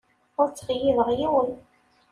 Ur ttxeyyibeɣ yiwen.